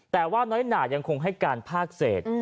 แต่ว่าน้อยหนายังคงให้การภาคเศษ